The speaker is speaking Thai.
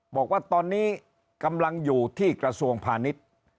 บอกว่าตอนนี้กำลังอยู่ที่กระทรวงพาณิชย์